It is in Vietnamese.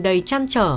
đầy trăn trở